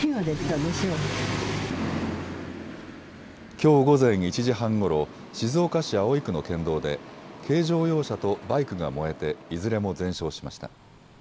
きょう午前１時半ごろ、静岡市葵区の県道で軽乗用車とバイクが燃えていずれも全焼しました。